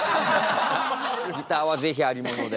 ギターは是非ありもので。